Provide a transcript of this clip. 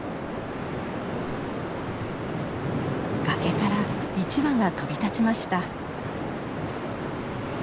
崖から１羽が飛び立ちました。